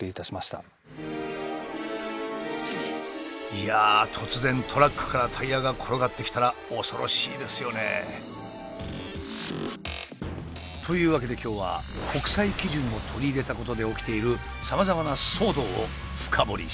いやあ突然トラックからタイヤが転がってきたら恐ろしいですよね。というわけで今日は国際基準を取り入れたことで起きているさまざまな騒動を深掘りします。